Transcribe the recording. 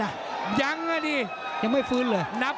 โอ้โหโอ้โหโอ้โหโอ้โหโอ้โห